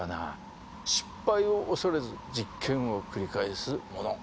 失敗を恐れず実験を繰り返すもの。